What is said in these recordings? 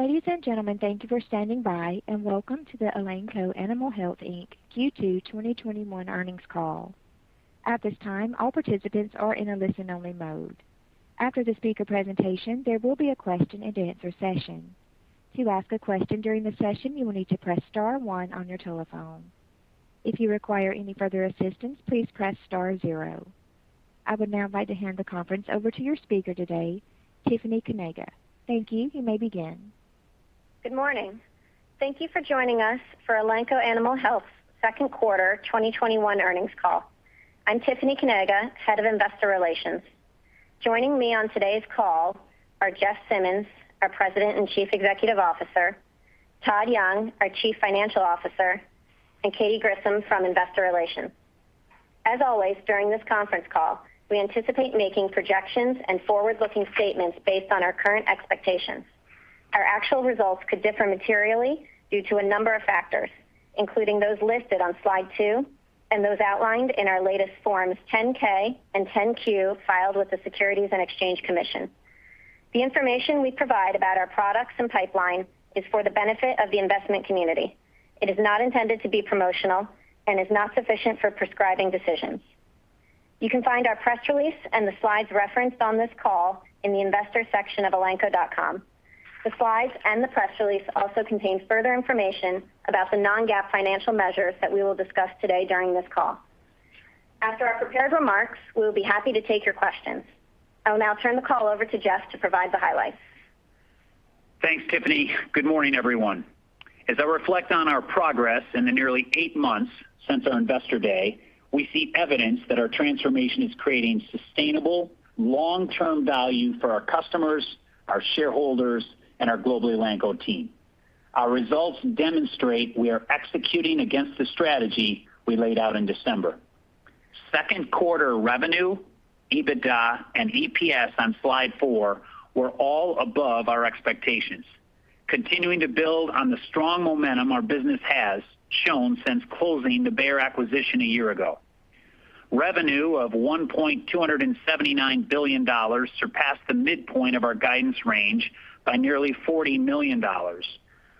Ladies and gentlemen, thank you for standing by and welcome to the Elanco Animal Health, Inc, Q2 2021 earnings call. At this time, all participants are in a listen only mode. After the speaker presentation, there will be a question-and-answer session. To ask a question during the session, you will need to press star one on your telephone. If you require any further assistance, please press star zero. I would now invite to hand the conference over to your speaker today, Tiffany Kanaga. Thank you. You may begin. Good morning. Thank you for joining us for Elanco Animal Health second quarter 2021 earnings call. I'm Tiffany Kanaga, Head of Investor Relations. Joining me on today's call are Jeff Simmons, our President and Chief Executive Officer, Todd Young, our Chief Financial Officer, and Katy Grissom from Investor Relations. As always, during this conference call, we anticipate making projections and forward-looking statements based on our current expectations. Our actual results could differ materially due to a number of factors, including those listed on slide two and those outlined in our latest Forms 10-K and 10-Q filed with the Securities and Exchange Commission. The information we provide about our products and pipeline is for the benefit of the investment community. It is not intended to be promotional and is not sufficient for prescribing decisions. You can find our press release and the slides referenced on this call in the investor section of elanco.com. The slides and the press release also contains further information about the non-GAAP financial measures that we will discuss today during this call. After our prepared remarks, we'll be happy to take your questions. I will now turn the call over to Jeff to provide the highlights. Thanks, Tiffany. Good morning, everyone. As I reflect on our progress in the nearly eight months since our investor day, we see evidence that our transformation is creating sustainable, long-term value for our customers, our shareholders, and our global Elanco team. Our results demonstrate we are executing against the strategy we laid out in December. Second quarter revenue, EBITDA, and EPS on slide four were all above our expectations, continuing to build on the strong momentum our business has shown since closing the Bayer acquisition a year ago. Revenue of $1.279 billion surpassed the midpoint of our guidance range by nearly $40 million,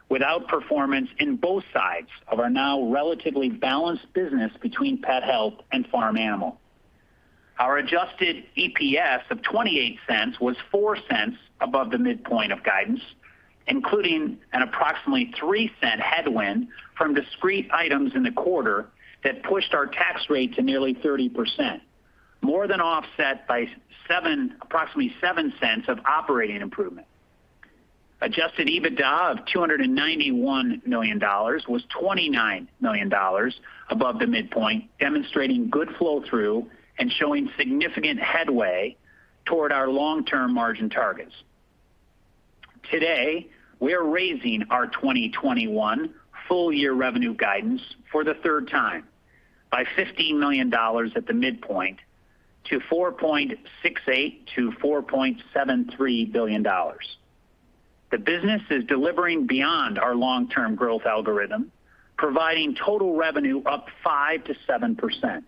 with out-performance in both sides of our now relatively balanced business between pet health and farm animal. Our adjusted EPS of $0.28 was $0.04 above the midpoint of guidance, including an approximately $0.03 headwind from discrete items in the quarter that pushed our tax rate to nearly 30%, more than offset by approximately $0.07 of operating improvement. Adjusted EBITDA of $291 million was $29 million above the midpoint, demonstrating good flow-through and showing significant headway toward our long-term margin targets. Today, we are raising our 2021 full year revenue guidance for the third time by $15 million at the midpoint to $4.68 billion-$4.73 billion. The business is delivering beyond our long-term growth algorithm, providing total revenue up 5%-7%.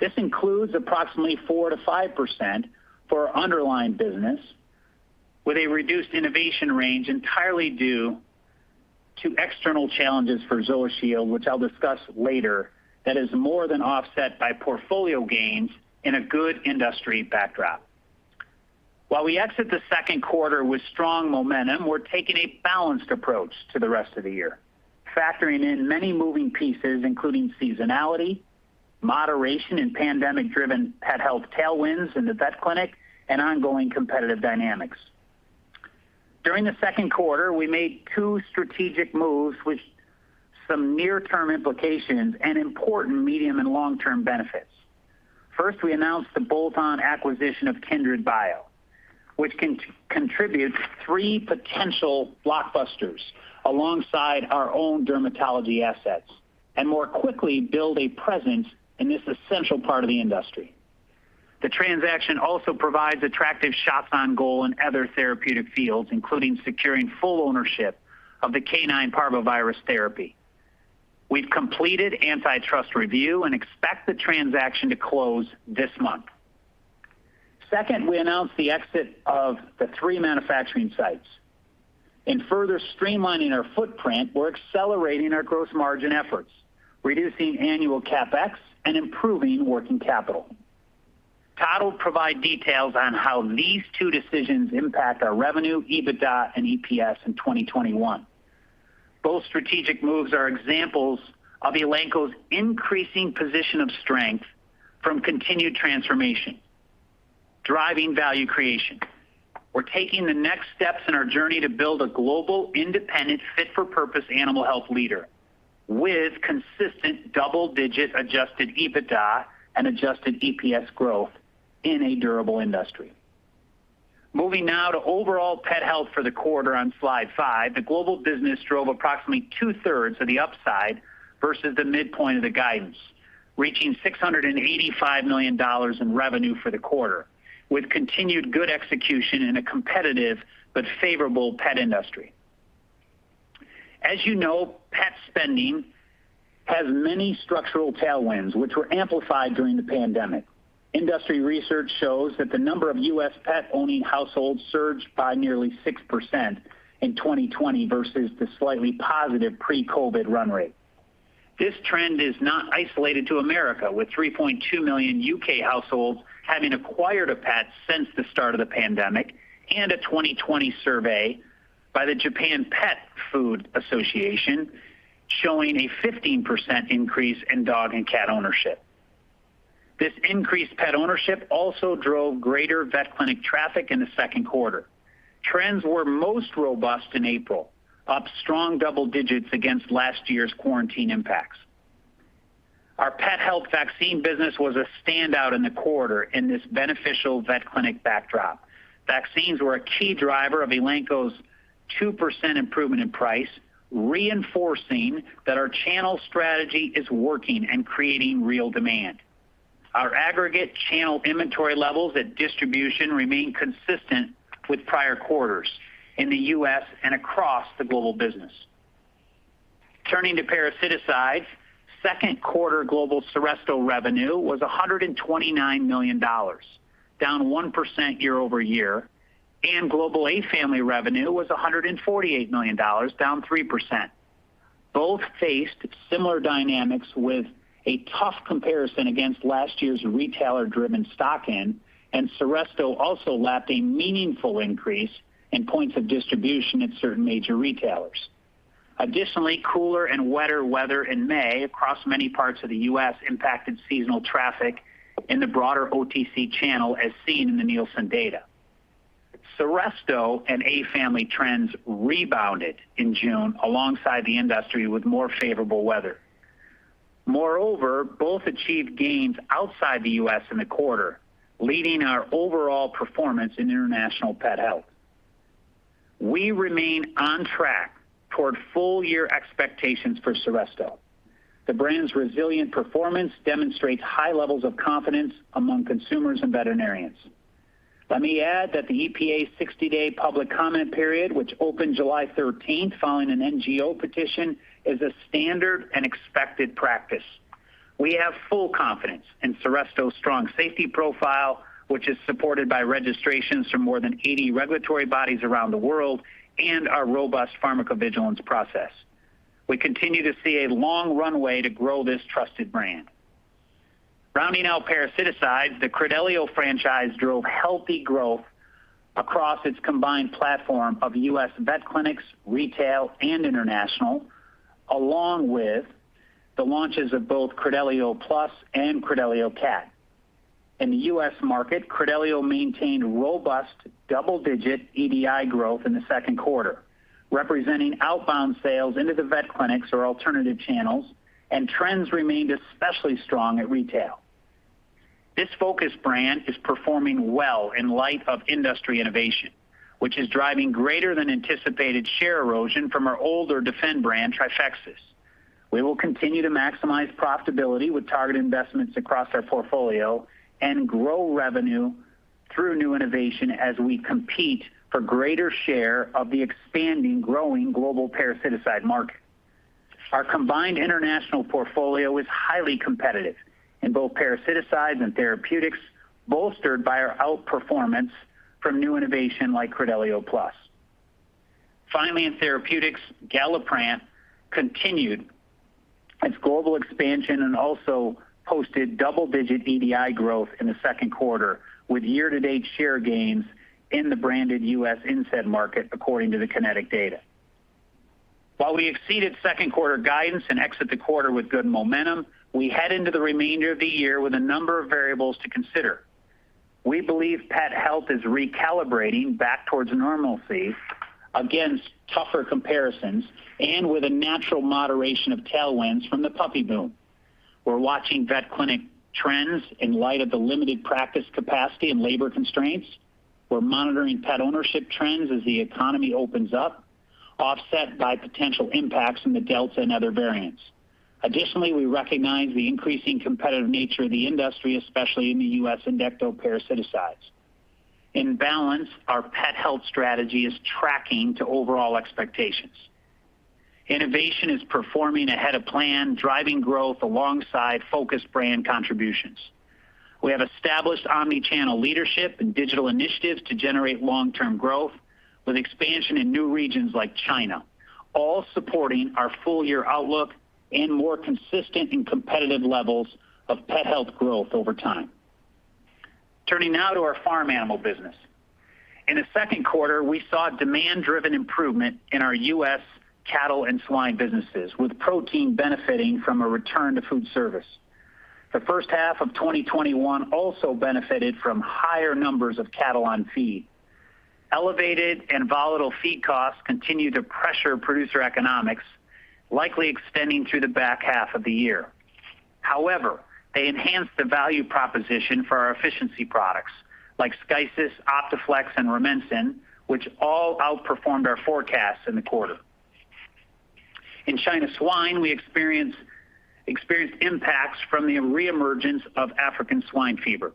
This includes approximately 4%-5% for our underlying business, with a reduced innovation range entirely due to external challenges for ZoaShield, which I'll discuss later, that is more than offset by portfolio gains in a good industry backdrop. While we exit the second quarter with strong momentum, we're taking a balanced approach to the rest of the year, factoring in many moving pieces, including seasonality, moderation, and pandemic-driven pet health tailwinds in the vet clinic, and ongoing competitive dynamics. During the second quarter, we made two strategic moves with some near-term implications and important medium and long-term benefits. First, we announced the bolt-on acquisition of KindredBio, which contributes three potential blockbusters alongside our own dermatology assets and more quickly build a presence in this essential part of the industry. The transaction also provides attractive shots on goal in other therapeutic fields, including securing full ownership of the canine parvovirus therapy. We've completed antitrust review and expect the transaction to close this month. Second, we announced the exit of the three manufacturing sites. In further streamlining our footprint, we're accelerating our gross margin efforts, reducing annual CapEx and improving working capital. Todd will provide details on how these two decisions impact our revenue, EBITDA, and EPS in 2021. Both strategic moves are examples of Elanco's increasing position of strength from continued transformation, driving value creation. We're taking the next steps in our journey to build a global independent fit-for-purpose animal health leader with consistent double-digit adjusted EBITDA and adjusted EPS growth in a durable industry. Moving now to overall pet health for the quarter on slide five. The global business drove approximately 2/3 of the upside versus the midpoint of the guidance, reaching $685 million in revenue for the quarter, with continued good execution in a competitive but favorable pet industry. As you know, pet spending has many structural tailwinds, which were amplified during the pandemic. Industry research shows that the number of U.S. pet-owning households surged by nearly 6% in 2020 versus the slightly positive pre-COVID run rate. This trend is not isolated to America, with 3.2 million U.K. households having acquired a pet since the start of the pandemic, and a 2020 survey by the Japan Pet Food Association showing a 15% increase in dog and cat ownership. This increased pet ownership also drove greater vet clinic traffic in the second quarter. Trends were most robust in April, up strong double digits against last year's quarantine impacts. Our Pet Health vaccine business was a standout in the quarter in this beneficial vet clinic backdrop. Vaccines were a key driver of Elanco's 2% improvement in price, reinforcing that our channel strategy is working and creating real demand. Our aggregate channel inventory levels at distribution remain consistent with prior quarters in the U.S. and across the global business. Turning to parasiticides, second quarter global Seresto revenue was $129 million, down 1% year-over-year, and global A-family revenue was $148 million, down 3%. Both faced similar dynamics with a tough comparison against last year's retailer-driven stock-in. Seresto also lapped a meaningful increase in points of distribution at certain major retailers. Additionally, cooler and wetter weather in May across many parts of the U.S. impacted seasonal traffic in the broader OTC channel, as seen in the Nielsen data. Seresto and A-family trends rebounded in June alongside the industry with more favorable weather. Both achieved gains outside the U.S. in the quarter, leading our overall performance in international Pet Health. We remain on track toward full-year expectations for Seresto. The brand's resilient performance demonstrates high levels of confidence among consumers and veterinarians. Let me add that the EPA's 60-day public comment period, which opened July 13th following an NGO petition, is a standard and expected practice. We have full confidence in Seresto's strong safety profile, which is supported by registrations from more than 80 regulatory bodies around the world and our robust pharmacovigilance process. We continue to see a long runway to grow this trusted brand. Rounding out parasiticides, the Credelio franchise drove healthy growth across its combined platform of U.S. vet clinics, retail, and international, along with the launches of both Credelio Plus and Credelio CAT. In the U.S. market, Credelio maintained robust double-digit EDI growth in the second quarter, representing outbound sales into the vet clinics or alternative channels, and trends remained especially strong at retail. This focused brand is performing well in light of industry innovation, which is driving greater-than-anticipated share erosion from our older defend brand, Trifexis. We will continue to maximize profitability with targeted investments across our portfolio and grow revenue through new innovation as we compete for greater share of the expanding, growing global parasiticide market. Our combined international portfolio is highly competitive in both parasiticides and therapeutics, bolstered by our outperformance from new innovation like Credelio Plus. Finally, in therapeutics, GALLIPRANT continued its global expansion and also posted double-digit EDI growth in the second quarter, with year-to-date share gains in the branded U.S. NSAID market, according to the Kynetec data. While we exceeded second quarter guidance and exit the quarter with good momentum, we head into the remainder of the year with a number of variables to consider. We believe Pet Health is recalibrating back towards normalcy against tougher comparisons and with a natural moderation of tailwinds from the puppy boom. We're watching vet clinic trends in light of the limited practice capacity and labor constraints. We're monitoring pet ownership trends as the economy opens up, offset by potential impacts from the Delta and other variants. Additionally, we recognize the increasing competitive nature of the industry, especially in the U.S. endectoparasiticides. In balance, our Pet Health strategy is tracking to overall expectations. Innovation is performing ahead of plan, driving growth alongside focused brand contributions. We have established omni-channel leadership and digital initiatives to generate long-term growth, with expansion in new regions like China, all supporting our full-year outlook and more consistent and competitive levels of Pet Health growth over time. Turning now to our Farm Animal business. In the second quarter, we saw demand-driven improvement in our U.S. cattle and swine businesses, with protein benefiting from a return to food service. The first half of 2021 also benefited from higher numbers of cattle on feed. Elevated and volatile feed costs continue to pressure producer economics, likely extending through the back half of the year. However, they enhance the value proposition for our efficiency products like Skycis, Optaflexx, and Rumensin, which all outperformed our forecasts in the quarter. In China swine, we experienced impacts from the reemergence of African swine fever.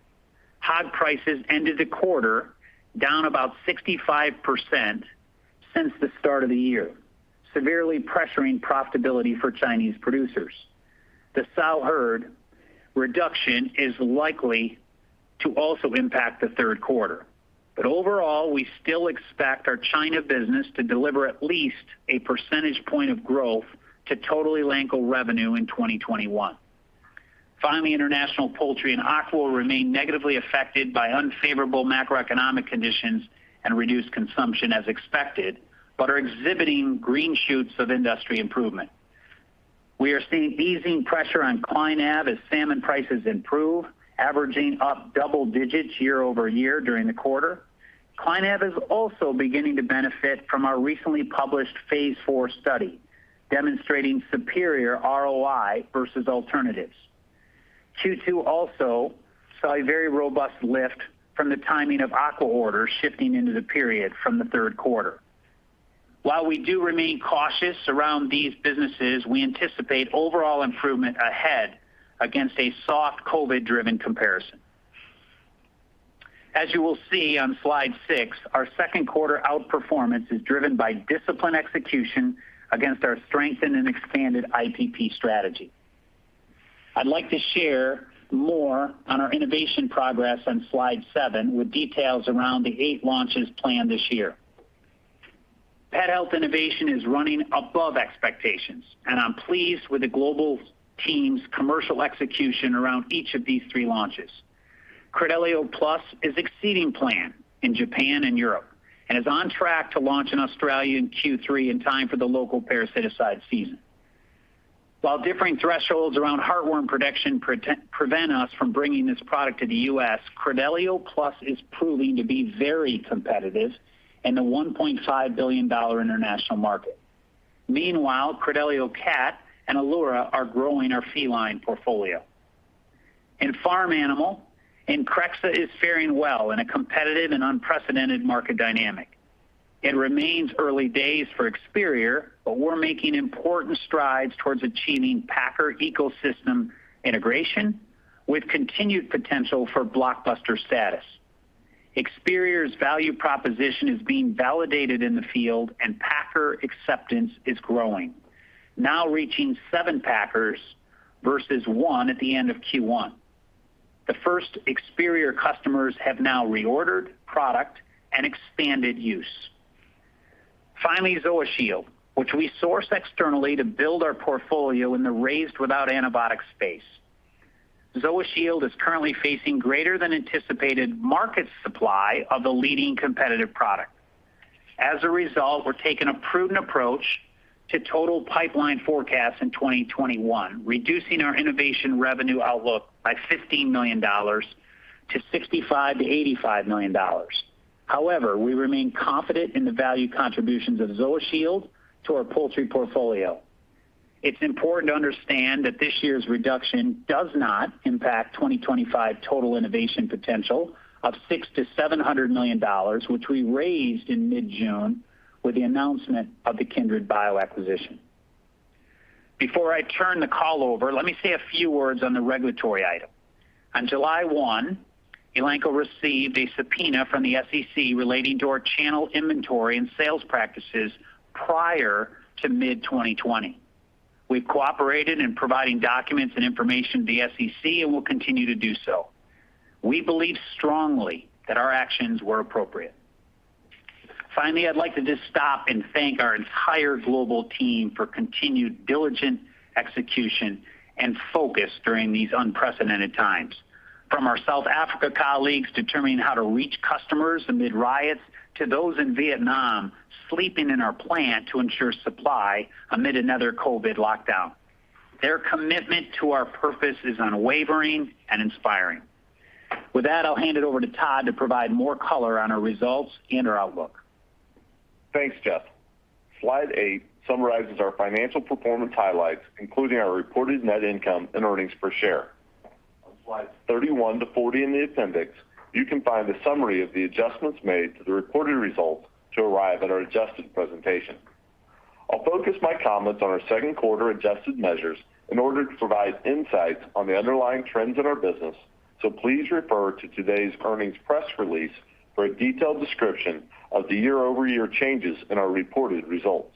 Hog prices ended the quarter down about 65% since the start of the year, severely pressuring profitability for Chinese producers. The sow herd reduction is likely to also impact the third quarter. Overall, we still expect our China business to deliver at least a percentage point of growth to total Elanco revenue in 2021. Finally, international poultry and aqua remain negatively affected by unfavorable macroeconomic conditions and reduced consumption as expected, but are exhibiting green shoots of industry improvement. We are seeing easing pressure on CLYNAV as salmon prices improve, averaging up double digits year-over-year during the quarter. CLYNAV is also beginning to benefit from our recently published phase IV study, demonstrating superior ROI versus alternatives. Q2 also saw a very robust lift from the timing of aqua orders shifting into the period from the third quarter. While we do remain cautious around these businesses, we anticipate overall improvement ahead against a soft COVID-driven comparison. As you will see on slide six, our second quarter outperformance is driven by disciplined execution against our strengthened and expanded IPP strategy. I'd like to share more on our innovation progress on slide seven with details around the eight launches planned this year. Pet health innovation is running above expectations, and I'm pleased with the global team's commercial execution around each of these three launches. Credelio Plus is exceeding plan in Japan and Europe and is on track to launch in Australia in Q3 in time for the local parasiticide season. Differing thresholds around heartworm prevention prevent us from bringing this product to the U.S., Credelio Plus is proving to be very competitive in the $1.5 billion international market. Meanwhile, Credelio CAT and Elura are growing our feline portfolio. In farm animal, Increxxa is faring well in a competitive and unprecedented market dynamic. It remains early days for Experior, but we're making important strides towards achieving packer ecosystem integration with continued potential for blockbuster status. Experior's value proposition is being validated in the field, and packer acceptance is growing, now reaching seven packers versus one at the end of Q1. The first Experior customers have now reordered product and expanded use. Finally, ZoaShield, which we sourced externally to build our portfolio in the raised-without-antibiotic space. ZoaShield is currently facing greater than anticipated market supply of the leading competitive product. As a result, we're taking a prudent approach to total pipeline forecasts in 2021, reducing our innovation revenue outlook by $15 million-$65 million-$85 million. However, we remain confident in the value contributions of ZoaShield to our poultry portfolio. It's important to understand that this year's reduction does not impact 2025 total innovation potential of $600 million-$700 million, which we raised in mid-June with the announcement of the KindredBio acquisition. Before I turn the call over, let me say a few words on the regulatory item. On July 1, Elanco received a subpoena from the SEC relating to our channel inventory and sales practices prior to mid-2020. We've cooperated in providing documents and information to the SEC, and we'll continue to do so. We believe strongly that our actions were appropriate. I'd like to just stop and thank our entire global team for continued diligent execution and focus during these unprecedented times. From our South Africa colleagues determining how to reach customers amid riots, to those in Vietnam sleeping in our plant to ensure supply amid another COVID lockdown. Their commitment to our purpose is unwavering and inspiring. I'll hand it over to Todd to provide more color on our results and our outlook. Thanks, Jeff. Slide eight summarizes our financial performance highlights, including our reported net income and earnings per share. On slides 31-40 in the appendix, you can find a summary of the adjustments made to the reported results to arrive at our adjusted presentation. I'll focus my comments on our second quarter adjusted measures in order to provide insights on the underlying trends in our business. Please refer to today's earnings press release for a detailed description of the year-over-year changes in our reported results.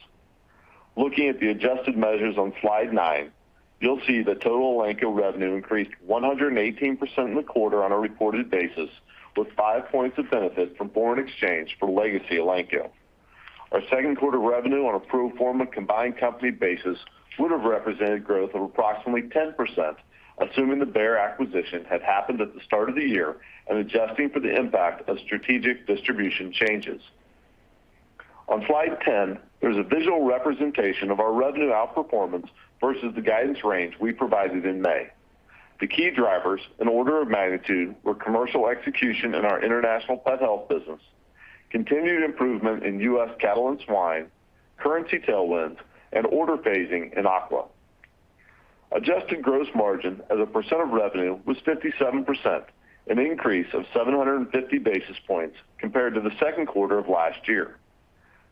Looking at the adjusted measures on slide nine, you'll see that total Elanco revenue increased 118% in the quarter on a reported basis, with 5 points of benefit from foreign exchange for legacy Elanco. Our second quarter revenue on a pro forma combined company basis would've represented growth of approximately 10%, assuming the Bayer acquisition had happened at the start of the year and adjusting for the impact of strategic distribution changes. On slide 10, there's a visual representation of our revenue outperformance versus the guidance range we provided in May. The key drivers, in order of magnitude, were commercial execution in our international pet health business, continued improvement in U.S. cattle and swine, currency tailwinds, and order phasing in aqua. Adjusted gross margin as a percent of revenue was 57%, an increase of 750 basis points compared to the second quarter of last year.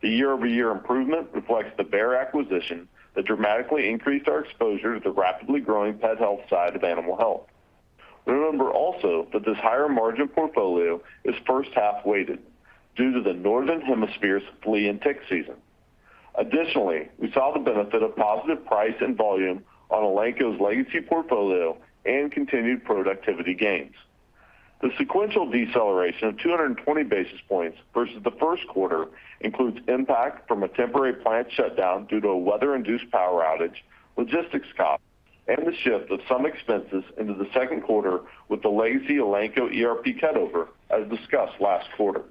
The year-over-year improvement reflects the Bayer acquisition that dramatically increased our exposure to the rapidly growing pet health side of animal health. Remember also that this higher-margin portfolio is first-half weighted due to the northern hemisphere's flea and tick season. Additionally, we saw the benefit of positive price and volume on Elanco's legacy portfolio and continued productivity gains. The sequential deceleration of 220 basis points versus the first quarter includes impact from a temporary plant shutdown due to a weather-induced power outage, logistics costs, and the shift of some expenses into the second quarter with the legacy Elanco ERP cutover, as discussed last quarter.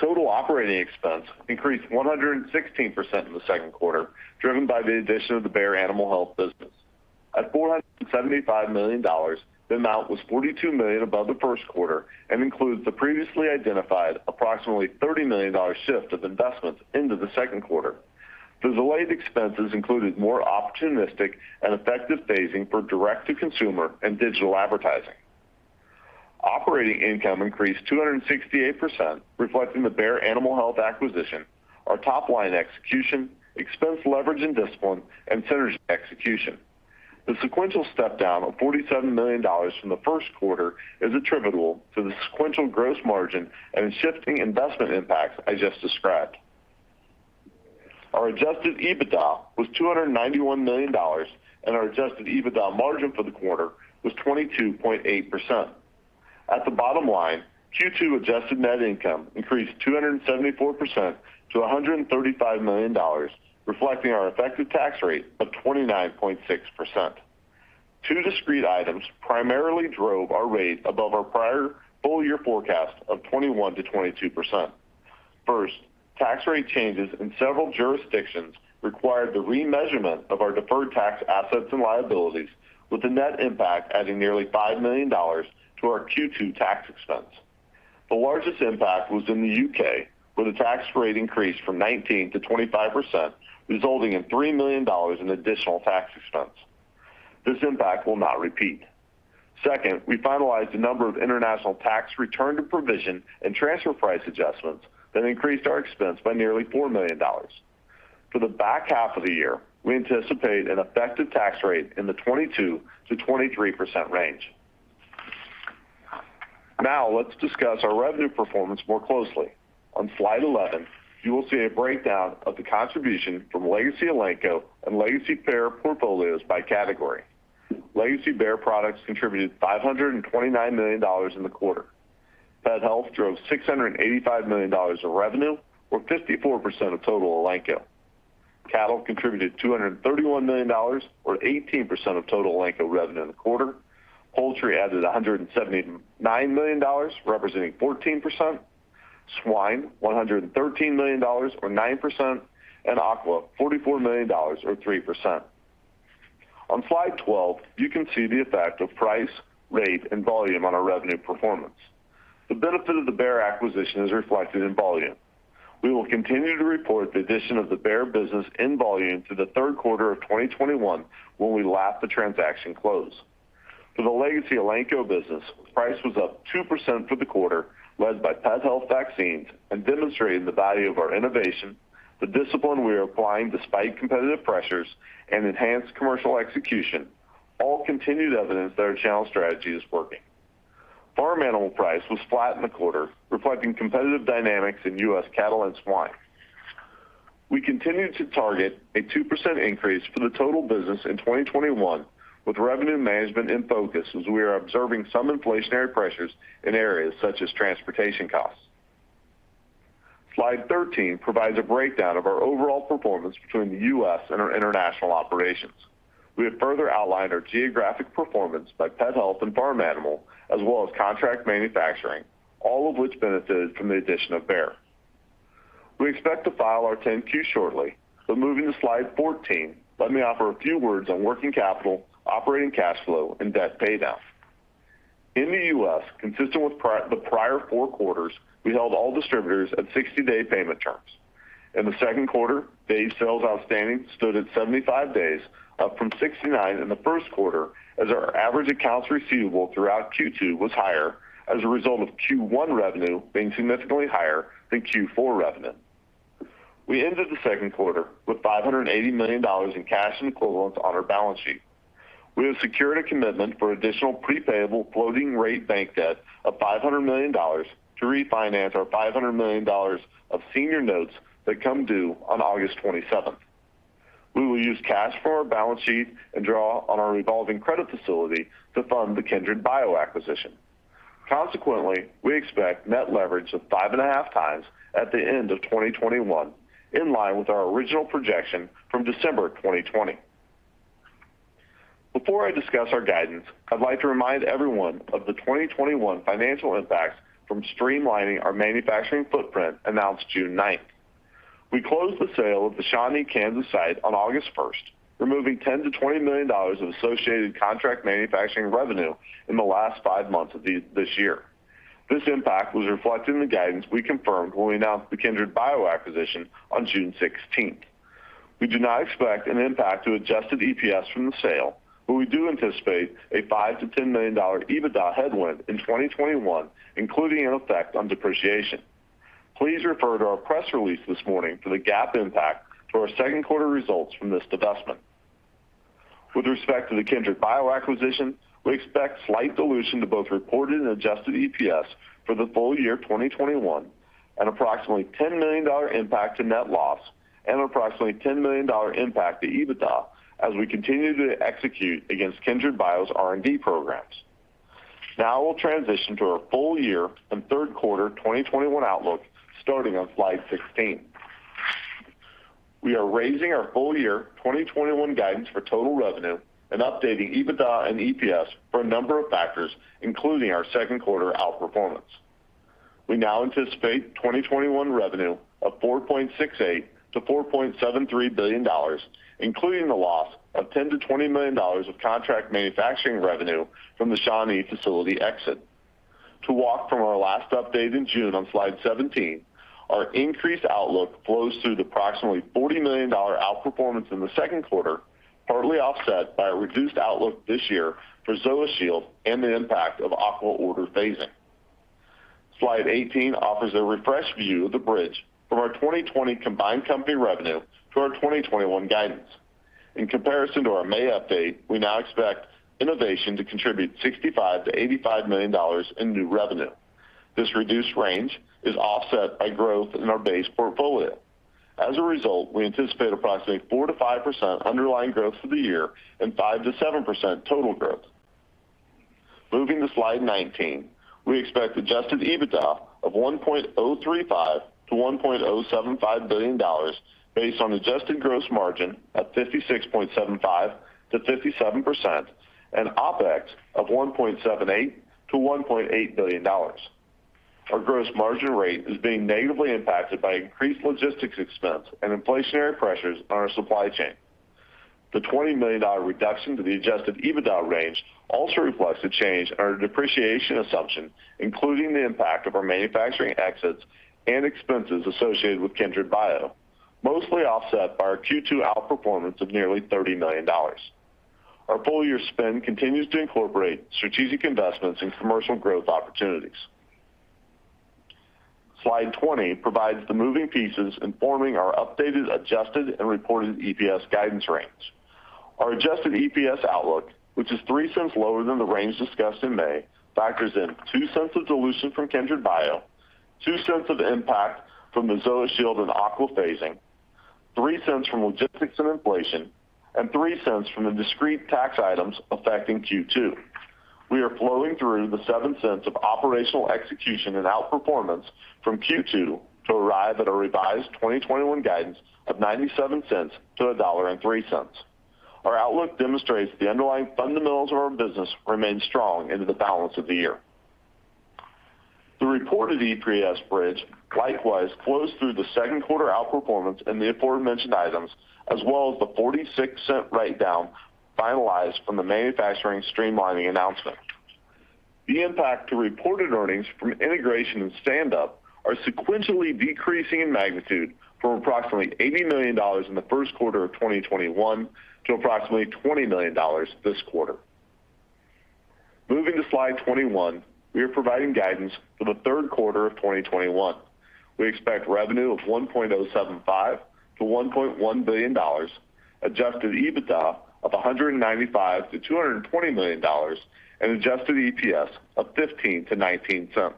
Total operating expense increased 116% in the second quarter, driven by the addition of the Bayer Animal Health business. At $475 million, the amount was $42 million above the first quarter and includes the previously identified approximately $30 million shift of investments into the second quarter. The delayed expenses included more opportunistic and effective phasing for direct-to-consumer and digital advertising. Operating income increased 268%, reflecting the Bayer Animal Health acquisition, our top-line execution, expense leverage and discipline, and synergy execution. The sequential step-down of $47 million from the first quarter is attributable to the sequential gross margin and shifting investment impacts I just described. Our adjusted EBITDA was $291 million, and our adjusted EBITDA margin for the quarter was 22.8%. At the bottom line, Q2 adjusted net income increased 274% to $135 million, reflecting our effective tax rate of 29.6%. Two discrete items primarily drove our rate above our prior full-year forecast of 21%-22%. First, tax rate changes in several jurisdictions required the remeasurement of our deferred tax assets and liabilities, with the net impact adding nearly $5 million to our Q2 tax expense. The largest impact was in the U.K., where the tax rate increased from 19%-25%, resulting in $3 million in additional tax expense. This impact will not repeat. Second, we finalized a number of international tax return to provision and transfer price adjustments that increased our expense by nearly $4 million. For the back half of the year, we anticipate an effective tax rate in the 22%-23% range. Let's discuss our revenue performance more closely. On slide 11, you will see a breakdown of the contribution from legacy Elanco and legacy Bayer portfolios by category. Legacy Bayer products contributed $529 million in the quarter. Pet health drove $685 million of revenue or 54% of total Elanco. Cattle contributed $231 million or 18% of total Elanco revenue in the quarter. Poultry added $179 million, representing 14%. Swine, $113 million or 9%, and aqua, $44 million or 3%. On slide 12, you can see the effect of price, rate, and volume on our revenue performance. The benefit of the Bayer acquisition is reflected in volume. We will continue to report the addition of the Bayer business in volume through the third quarter of 2021 when we lap the transaction close. For the legacy Elanco business, price was up 2% for the quarter, led by pet health vaccines and demonstrating the value of our innovation, the discipline we are applying despite competitive pressures, and enhanced commercial execution, all continued evidence that our channel strategy is working. Farm animal price was flat in the quarter, reflecting competitive dynamics in U.S. cattle and swine. We continue to target a 2% increase for the total business in 2021, with revenue management in focus as we are observing some inflationary pressures in areas such as transportation costs. Slide 13 provides a breakdown of our overall performance between the U.S. and our international operations. We have further outlined our geographic performance by pet health and farm animal, as well as contract manufacturing, all of which benefited from the addition of Bayer. We expect to file our 10-Q shortly, but moving to slide 14, let me offer a few words on working capital, operating cash flow, and debt payoff. In the U.S., consistent with the prior four quarters, we held all distributors at 60-day payment terms. In the second quarter, days sales outstanding stood at 75 days, up from 69 in the first quarter as our average accounts receivable throughout Q2 was higher as a result of Q1 revenue being significantly higher than Q4 revenue. We ended the second quarter with $580 million in cash and equivalents on our balance sheet. We have secured a commitment for additional pre-payable floating rate bank debt of $500 million to refinance our $500 million of senior notes that come due on August 27th. We will use cash from our balance sheet and draw on our revolving credit facility to fund the KindredBio acquisition. Consequently, we expect net leverage of 5.5 times at the end of 2021, in line with our original projection from December 2020. Before I discuss our guidance, I'd like to remind everyone of the 2021 financial impacts from streamlining our manufacturing footprint announced June 9th. We closed the sale of the Shawnee, Kansas site on August 1st, removing $10 million-$20 million of associated contract manufacturing revenue in the last five months of this year. This impact was reflected in the guidance we confirmed when we announced the KindredBio acquisition on June 16th. We do not expect an impact to adjusted EPS from the sale, but we do anticipate a $5 million-$10 million EBITDA headwind in 2021, including an effect on depreciation. Please refer to our press release this morning for the GAAP impact to our second quarter results from this divestment. With respect to the KindredBio acquisition, we expect slight dilution to both reported and adjusted EPS for the full year 2021, an approximately $10 million impact to net loss, and approximately $10 million impact to EBITDA as we continue to execute against KindredBio's R&D programs. Now we'll transition to our full year and third quarter 2021 outlook, starting on slide 16. We are raising our full year 2021 guidance for total revenue and updating EBITDA and EPS for a number of factors, including our second quarter outperformance. We now anticipate 2021 revenue of $4.68 billion-$4.73 billion, including the loss of $10 million-$20 million of contract manufacturing revenue from the Shawnee facility exit. To walk from our last update in June on slide 17, our increased outlook flows through the approximately $40 million outperformance in the second quarter, partly offset by a reduced outlook this year for ZoaShield and the impact of aqua order phasing. Slide 18 offers a refreshed view of the bridge from our 2020 combined company revenue to our 2021 guidance. In comparison to our May update, we now expect innovation to contribute $65 million-$85 million in new revenue. This reduced range is offset by growth in our base portfolio. As a result, we anticipate approximately 4%-5% underlying growth for the year and 5%-7% total growth. Moving to slide 19, we expect adjusted EBITDA of $1.035 billion-$1.075 billion based on adjusted gross margin at 56.75%-57% and OpEx of $1.78 billion-$1.8 billion. Our gross margin rate is being negatively impacted by increased logistics expense and inflationary pressures on our supply chain. The $20 million reduction to the adjusted EBITDA range also reflects the change in our depreciation assumption, including the impact of our manufacturing exits and expenses associated with KindredBio, mostly offset by our Q2 outperformance of nearly $30 million. Our full year spend continues to incorporate strategic investments and commercial growth opportunities. Slide 20 provides the moving pieces informing our updated, adjusted, and reported EPS guidance range. Our adjusted EPS outlook, which is $0.03 lower than the range discussed in May, factors in $0.02 of dilution from KindredBio, $0.02 of impact from the ZoaShield and aqua phasing, $0.03 from logistics and inflation, and $0.03 from the discrete tax items affecting Q2. We are flowing through the $0.07 of operational execution and outperformance from Q2 to arrive at a revised 2021 guidance of $0.97-$1.03. Our outlook demonstrates the underlying fundamentals of our business remain strong into the balance of the year. The reported EPS bridge likewise flows through the second quarter outperformance in the aforementioned items, as well as the $0.46 write-down finalized from the manufacturing streamlining announcement. The impact to reported earnings from integration and standup are sequentially decreasing in magnitude from approximately $80 million in the first quarter of 2021 to approximately $20 million this quarter. Moving to slide 21, we are providing guidance for the third quarter of 2021. We expect revenue of $1.075 billion-$1.1 billion, adjusted EBITDA of $195 million-$220 million, and adjusted EPS of $0.15-$0.19.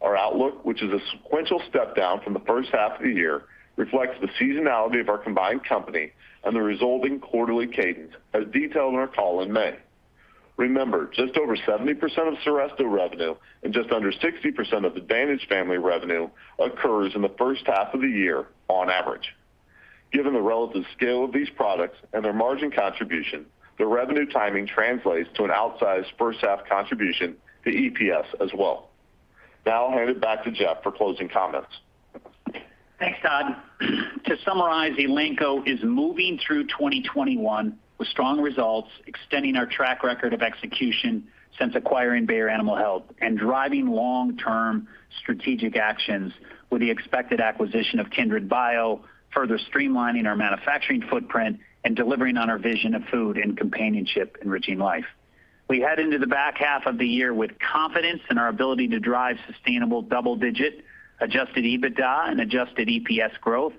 Our outlook, which is a sequential step down from the first half of the year, reflects the seasonality of our combined company and the resulting quarterly cadence, as detailed in our call in May. Remember, just over 70% of Seresto revenue and just under 60% of the Advantage Family revenue occurs in the first half of the year on average. Given the relative scale of these products and their margin contribution, the revenue timing translates to an outsized first half contribution to EPS as well. Now I'll hand it back to Jeff for closing comments. Thanks, Todd. To summarize, Elanco is moving through 2021 with strong results, extending our track record of execution since acquiring Bayer Animal Health and driving long-term strategic actions with the expected acquisition of KindredBio, further streamlining our manufacturing footprint and delivering on our vision of food and companionship enriching life. We head into the back half of the year with confidence in our ability to drive sustainable double-digit adjusted EBITDA and adjusted EPS growth,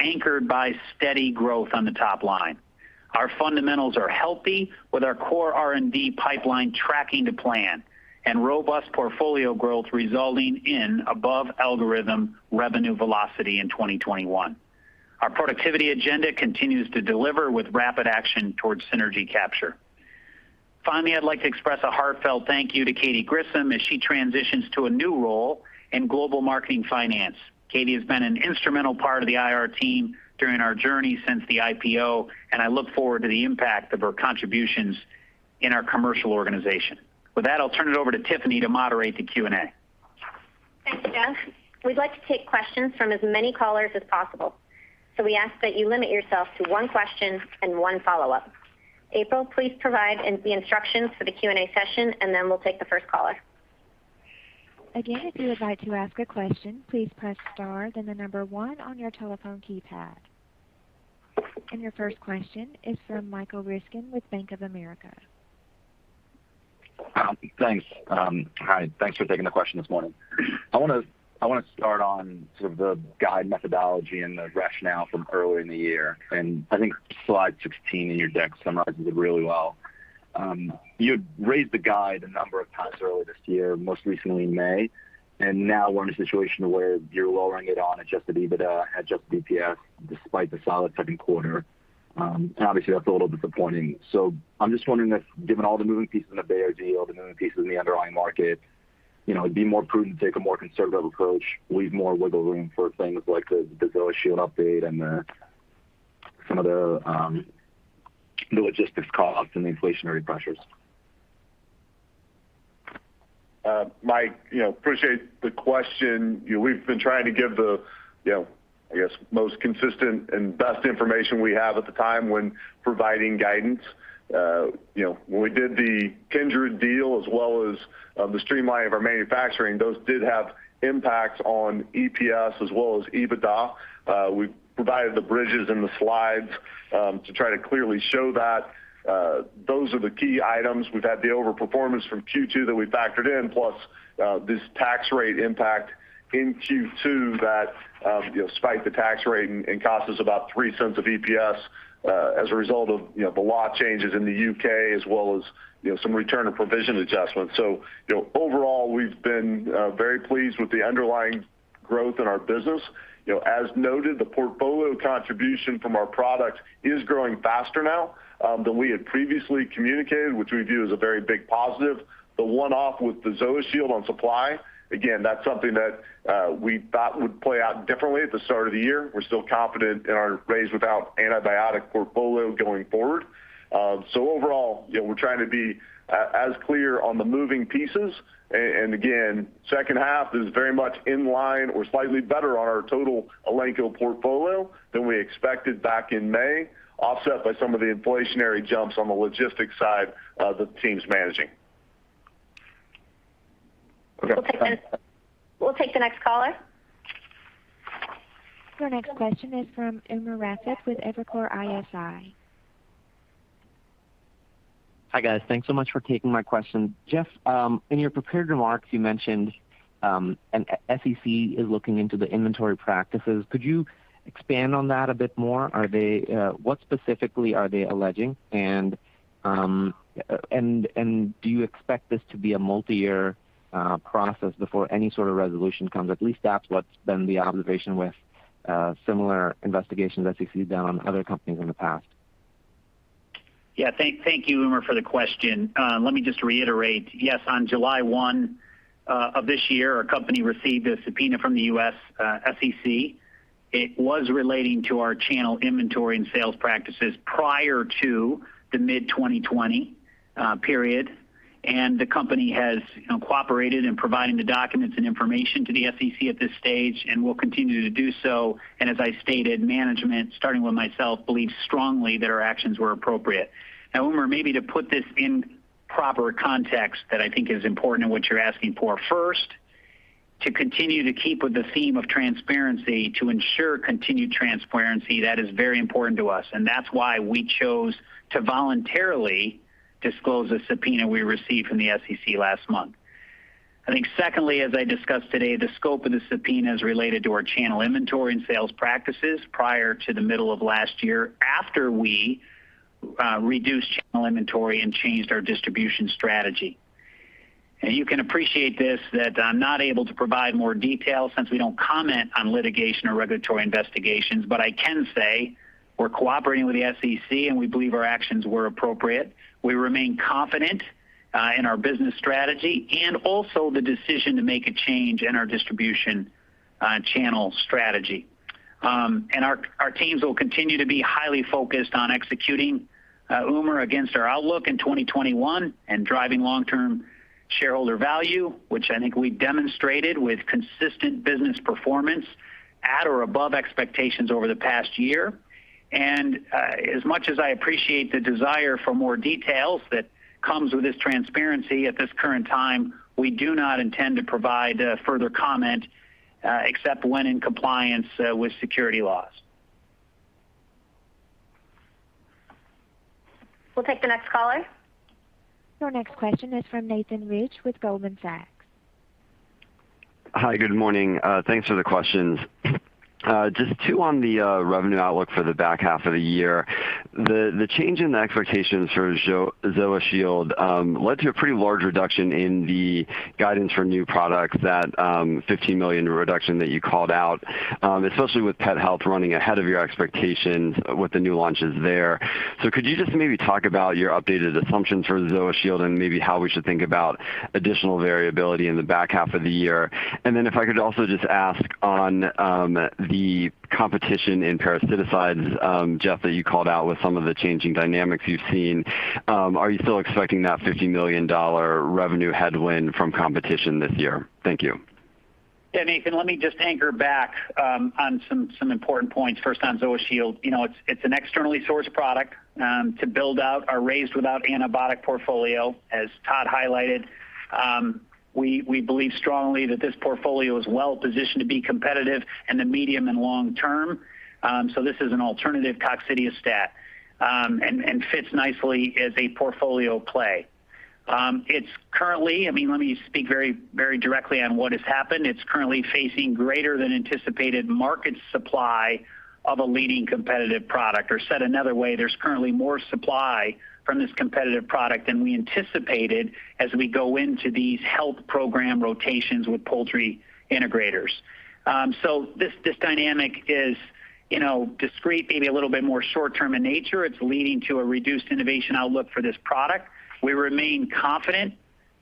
anchored by steady growth on the top line. Our fundamentals are healthy with our core R&D pipeline tracking to plan and robust portfolio growth resulting in above algorithm revenue velocity in 2021. Our productivity agenda continues to deliver with rapid action towards synergy capture. Finally, I'd like to express a heartfelt thank you to Katy Grissom as she transitions to a new role in Global Marketing Finance. Katy has been an instrumental part of the IR team during our journey since the IPO, and I look forward to the impact of her contributions in our commercial organization. With that, I'll turn it over to Tiffany to moderate the Q&A. Thanks, Jeff. We'd like to take questions from as many callers as possible. We ask that you limit yourself to one question and one follow-up. April, please provide the instructions for the Q&A session. We'll take the first caller. Again, if you would like to ask a question, please press star, then the number one on your telephone keypad. Your first question is from Michael Ryskin with Bank of America. Thanks. Hi, thanks for taking the question this morning. I want to start on sort of the guide methodology and the rationale from earlier in the year. I think slide 16 in your deck summarizes it really well. You had raised the guide a number of times earlier this year, most recently in May, and now we're in a situation where you're lowering it on adjusted EBITDA, adjusted EPS, despite the solid second quarter. Obviously, that's a little disappointing. I'm just wondering if, given all the moving pieces in the Bayer deal, the moving pieces in the underlying market, it'd be more prudent to take a more conservative approach, leave more wiggle room for things like the ZoaShield update and some of the logistics costs and the inflationary pressures. Mike, appreciate the question. We've been trying to give the, I guess, most consistent and best information we have at the time when providing guidance. When we did the Kindred deal, as well as the streamlining of our manufacturing, those did have impacts on EPS as well as EBITDA. We provided the bridges in the slides to try to clearly show that. Those are the key items. We've had the over-performance from Q2 that we factored in, plus this tax rate impact in Q2 that spiked the tax rate and cost us about $0.03 of EPS as a result of the law changes in the U.K., as well as some return and provision adjustments. Overall, we've been very pleased with the underlying growth in our business. As noted, the portfolio contribution from our products is growing faster now than we had previously communicated, which we view as a very big positive. The one-off with the ZoaShield on supply, again, that's something that we thought would play out differently at the start of the year. We're still confident in our raised-without-antibiotic portfolio going forward. Overall, we're trying to be as clear on the moving pieces. Again, second half is very much in line or slightly better on our total Elanco portfolio than we expected back in May, offset by some of the inflationary jumps on the logistics side, the teams managing. Okay. We'll take the next caller. Your next question is from Umer Raffat with Evercore ISI. Hi, guys. Thanks so much for taking my question. Jeff, in your prepared remarks, you mentioned an SEC is looking into the inventory practices. Could you expand on that a bit more? What specifically are they alleging? Do you expect this to be a multi-year process before any sort of resolution comes? At least that's what's been the observation with similar investigations SEC's done on other companies in the past. Thank you, Umer, for the question. Let me just reiterate. Yes, on July 1 of this year, our company received a subpoena from the U.S. SEC. It was relating to our channel inventory and sales practices prior to the mid-2020 period. The company has cooperated in providing the documents and information to the SEC at this stage and will continue to do so. As I stated, management, starting with myself, believes strongly that our actions were appropriate. Umer, maybe to put this in proper context that I think is important in what you're asking for, first, to continue to keep with the theme of transparency, to ensure continued transparency, that is very important to us. That is why we chose to voluntarily disclose the subpoena we received from the SEC last month. I think secondly, as I discussed today, the scope of the subpoena is related to our channel inventory and sales practices prior to the middle of last year, after we reduced channel inventory and changed our distribution strategy. You can appreciate this, that I'm not able to provide more details since we don't comment on litigation or regulatory investigations. I can say we're cooperating with the SEC, and we believe our actions were appropriate. We remain confident in our business strategy and also the decision to make a change in our distribution channel strategy. Our teams will continue to be highly focused on executing, Umer, against our outlook in 2021 and driving long-term shareholder value, which I think we demonstrated with consistent business performance at or above expectations over the past year. As much as I appreciate the desire for more details that comes with this transparency, at this current time, we do not intend to provide further comment except when in compliance with security laws. We'll take the next caller. Your next question is from Nathan Rich with Goldman Sachs. Hi, good morning. Thanks for the questions. Just two on the revenue outlook for the back half of the year. The change in the expectations for ZoaShield led to a pretty large reduction in the guidance for new products, that $15 million reduction that you called out, especially with pet health running ahead of your expectations with the new launches there. Could you just maybe talk about your updated assumptions for ZoaShield and maybe how we should think about additional variability in the back half of the year? If I could also just ask on the competition in parasiticides, Jeff, that you called out with some of the changing dynamics you've seen. Are you still expecting that $50 million revenue headwind from competition this year? Thank you. Nathan, let me just anchor back on some important points. First, on ZoaShield. It's an externally sourced product to build out our raised-without-antibiotic portfolio, as Todd highlighted. We believe strongly that this portfolio is well-positioned to be competitive in the medium and long term. This is an alternative coccidiostat, and fits nicely as a portfolio play. Let me speak very directly on what has happened. It's currently facing greater than anticipated market supply of a leading competitive product. Said another way, there's currently more supply from this competitive product than we anticipated as we go into these health program rotations with poultry integrators. This dynamic is discrete, maybe a little bit more short-term in nature. It's leading to a reduced innovation outlook for this product. We remain confident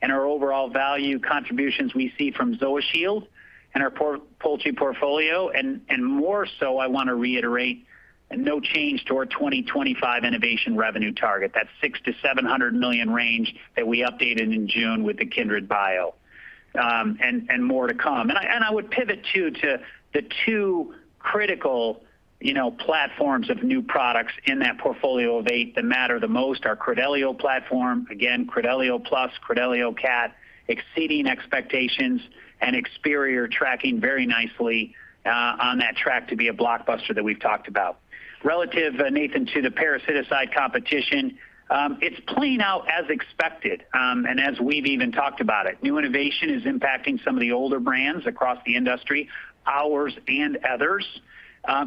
in our overall value contributions we see from ZoaShield and our poultry portfolio, and more so, I want to reiterate no change to our 2025 innovation revenue target. That's $600 million-$700 million range that we updated in June with the KindredBio, and more to come. I would pivot too, to the two critical platforms of new products in that portfolio of eight that matter the most, our Credelio platform, again, Credelio Plus, Credelio CAT, exceeding expectations, and Experior tracking very nicely on that track to be a blockbuster that we've talked about. Relative, Nathan, to the parasiticide competition, it's playing out as expected, and as we've even talked about it. New innovation is impacting some of the older brands across the industry, ours and others.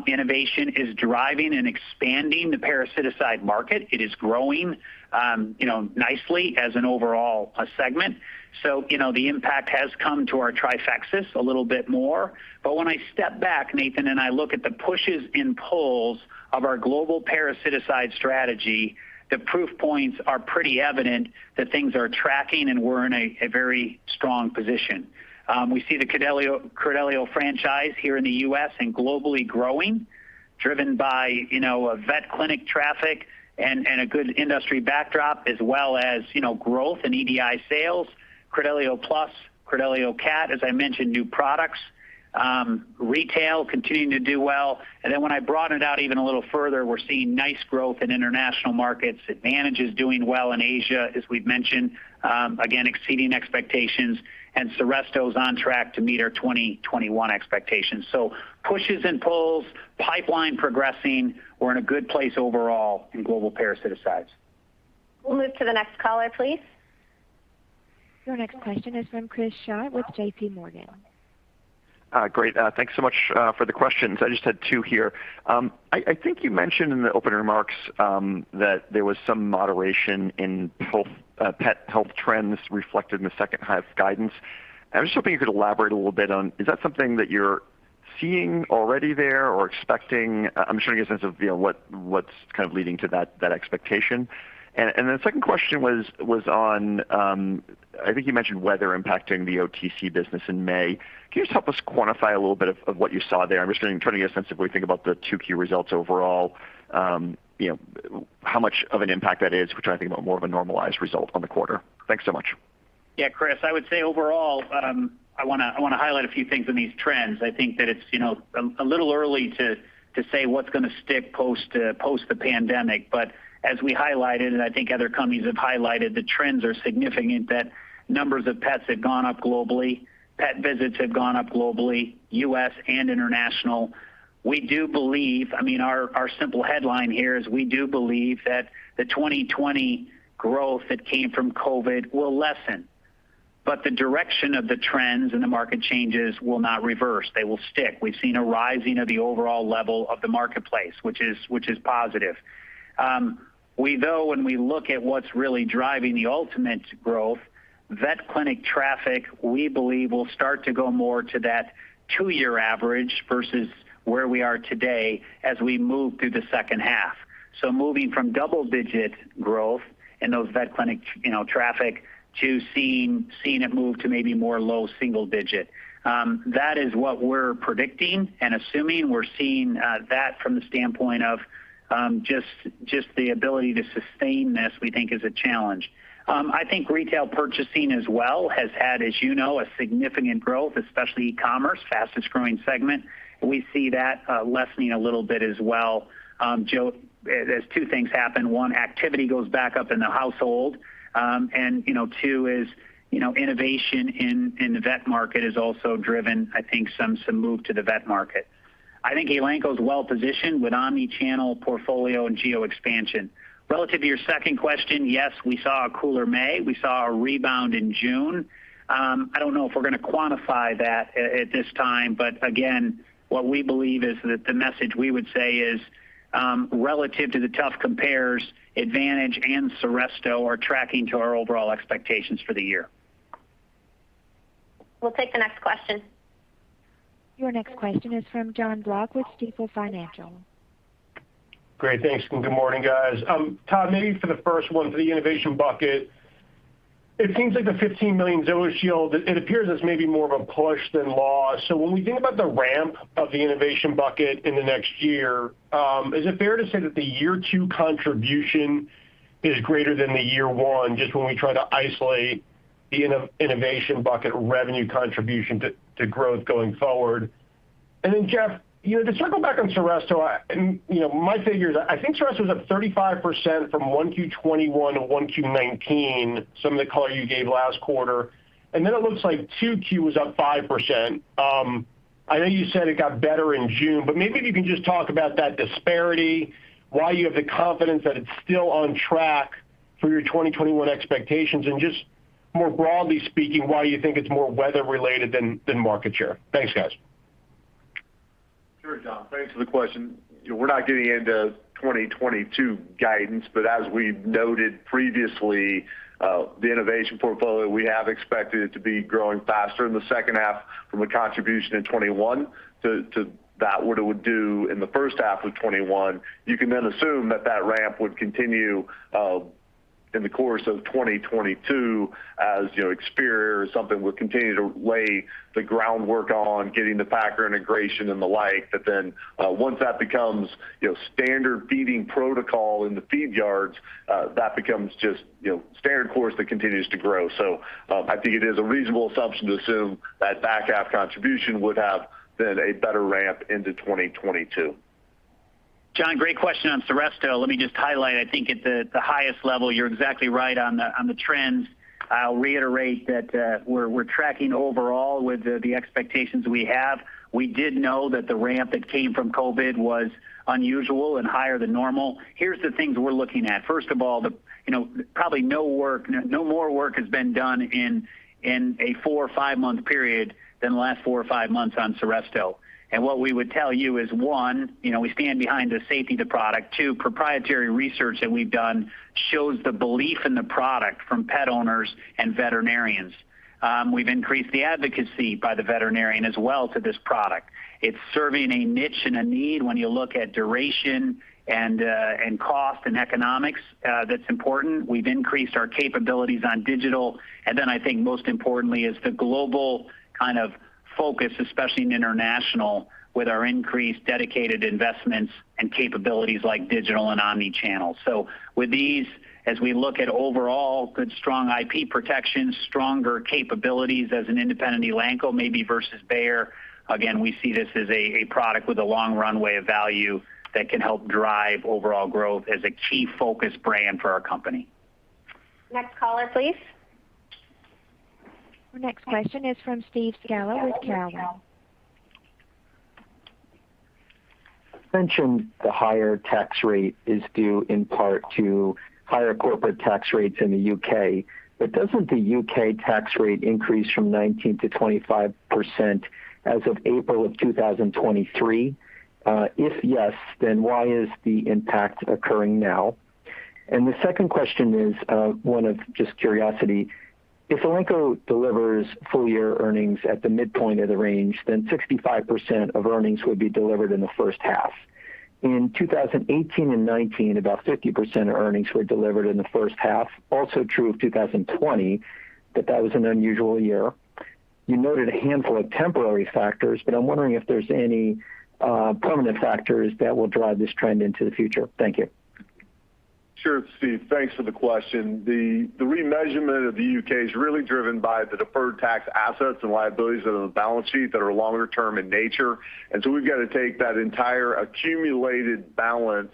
Innovation is driving and expanding the parasiticide market. It is growing nicely as an overall segment. The impact has come to our Trifexis a little bit more. When I step back, Nathan, and I look at the pushes and pulls of our global parasiticide strategy, the proof points are pretty evident that things are tracking, and we're in a very strong position. We see the Credelio franchise here in the U.S. and globally growing, driven by vet clinic traffic and a good industry backdrop as well as growth in EDI sales. Credelio Plus, Credelio CAT, as I mentioned, new products. Retail continuing to do well. When I broaden it out even a little further, we're seeing nice growth in international markets. Advantage is doing well in Asia, as we've mentioned. Again, exceeding expectations, and Seresto's on track to meet our 2021 expectations. Pushes and pulls, pipeline progressing. We're in a good place overall in global parasiticides. We'll move to the next caller, please. Your next question is from Chris Schott with JPMorgan. Great. Thanks so much for the questions. I just had two here. I think you mentioned in the opening remarks that there was some moderation in pet health trends reflected in the second half guidance. I'm just hoping you could elaborate a little bit on, is that something that you're seeing already there or expecting? I'm just trying to get a sense of what's kind of leading to that expectation. The second question was on, I think you mentioned weather impacting the OTC business in May. Can you just help us quantify a little bit of what you saw there? I'm just trying to get a sense of, we think about the 2Q results overall, how much of an impact that is. We're trying to think about more of a normalized result on the quarter. Thanks so much. Chris, I would say overall, I want to highlight a few things in these trends. I think that it's a little early to say what's going to stick post the pandemic. As we highlighted, and I think other companies have highlighted, the trends are significant that numbers of pets have gone up globally. Pet visits have gone up globally, U.S. and international. Our simple headline here is we do believe that the 2020 growth that came from COVID will lessen. The direction of the trends and the market changes will not reverse. They will stick. We've seen a rising of the overall level of the marketplace, which is positive. We know when we look at what's really driving the ultimate growth, vet clinic traffic, we believe, will start to go more to that two-year average versus where we are today as we move through the second half. Moving from double-digit growth in those vet clinic traffic to seeing it move to maybe more low single digit. That is what we're predicting and assuming. We're seeing that from the standpoint of just the ability to sustain this, we think is a challenge. I think retail purchasing as well has had, as you know, a significant growth, especially e-commerce, fastest growing segment. We see that lessening a little bit as well, Joe, as two things happen. One, activity goes back up in the household. Two is innovation in the vet market has also driven, I think, some move to the vet market. I think Elanco's well-positioned with omni-channel portfolio and geo expansion. Relative to your second question, yes, we saw a cooler May. We saw a rebound in June. I don't know if we're going to quantify that at this time. Again, what we believe is that the message we would say is, relative to the tough compares, Advantage and Seresto are tracking to our overall expectations for the year. We'll take the next question. Your next question is from Jon Block with Stifel Financial. Great. Thanks, good morning, guys. Todd, maybe for the first one, for the innovation bucket, it seems like the $15 million ZoaShield, it appears as maybe more of a push than loss. When we think about the ramp of the innovation bucket in the next year, is it fair to say that the year two contribution is greater than the year one, just when we try to isolate the innovation bucket revenue contribution to growth going forward? Jeff, to circle back on Seresto, my figure is I think Seresto is up 35% from Q1 2021 to Q1 2019, some of the color you gave last quarter, it looks like Q2 was up 5%. I know you said it got better in June, but maybe if you can just talk about that disparity, why you have the confidence that it's still on track for your 2021 expectations, and just more broadly speaking, why you think it's more weather related than market share? Thanks, guys. Sure, Jon. Thanks for the question. We're not getting into 2022 guidance. As we've noted previously, the innovation portfolio, we have expected it to be growing faster in the second half from a contribution in 2021 to that what it would do in the first half of 2021. You can assume that that ramp would continue in the course of 2022 as Experior or something would continue to lay the groundwork on getting the packer integration and the like. Once that becomes standard feeding protocol in the feed yards, that becomes just standard course that continues to grow. I think it is a reasonable assumption to assume that back half contribution would have been a better ramp into 2022. Jon, great question on Seresto. Let me just highlight, I think at the highest level, you're exactly right on the trends. I'll reiterate that we're tracking overall with the expectations we have. We did know that the ramp that came from COVID was unusual and higher than normal. Here's the things we're looking at. First of all, probably no more work has been done in a four or five-month period than the last four or five months on Seresto. What we would tell you is, one, we stand behind the safety of the product. Two, proprietary research that we've done shows the belief in the product from pet owners and veterinarians. We've increased the advocacy by the veterinarian as well to this product. It's serving a niche and a need when you look at duration and cost and economics. That's important. We've increased our capabilities on digital. I think most importantly is the global kind of focus, especially in international, with our increased dedicated investments and capabilities like digital and omni-channel. With these, as we look at overall good strong IP protection, stronger capabilities as an independent Elanco maybe versus Bayer. Again, we see this as a product with a long runway of value that can help drive overall growth as a key focus brand for our company. Next caller, please. Your next question is from Steve Scala with Cowen. You mentioned the higher tax rate is due in part to higher corporate tax rates in the U.K. Doesn't the U.K. tax rate increase from 19%-25% as of April 2023? If yes, why is the impact occurring now? The second question is one of just curiosity. If Elanco delivers full-year earnings at the midpoint of the range, then 65% of earnings would be delivered in the first half. In 2018 and 2019, about 50% of earnings were delivered in the first half. Also true of 2020, but that was an unusual year. You noted a handful of temporary factors, but I'm wondering if there's any permanent factors that will drive this trend into the future. Thank you. Sure, Steve. Thanks for the question. The remeasurement of the U.K. is really driven by the deferred tax assets and liabilities that are on the balance sheet that are longer term in nature. We've got to take that entire accumulated balance